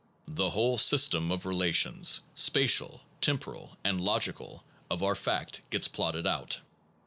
The whole system of relations, spatial, temporal, and logical, of our fact, gets plotted out.